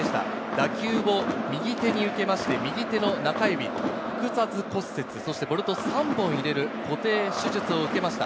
打球を右手に受けまして、右手の中指、複雑骨折、そしてボルト３本を入れる固定手術を受けました。